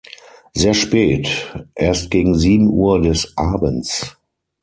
Sehr spät, erst gegen sieben Uhr des Abends.